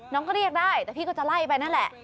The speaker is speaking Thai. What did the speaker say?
น้องก็เรียกได้แต่พี่ก็จะไล่ไปนั่นแหละ